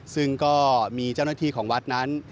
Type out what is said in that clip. ซึ่งก็มีเจ้าหน้าที่ของวัดนั้น